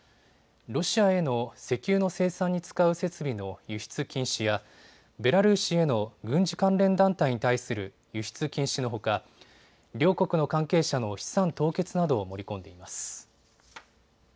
ロシアへの石油の生産に使う設備の輸出禁止やベラルーシへの軍事関連団体に対する輸出禁止のほか両国の関係者の資産凍結などを盛り込んでいます。